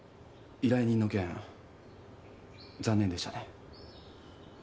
依頼人の件残念でしたね。